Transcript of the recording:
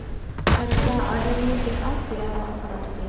قارىسا ئادەمنى بىر ئاز بىئارام قىلاتتى.